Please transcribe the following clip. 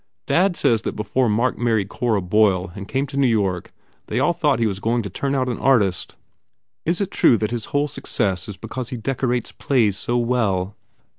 Dad says that before Mark married Cora Boyle and came to New York they all thought he was going to turn out an artist." "Is it true that his whole success is because he decorates plays so well?"